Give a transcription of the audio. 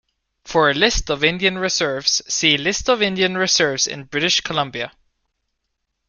For a list of Indian Reserves, see List of Indian reserves in British Columbia.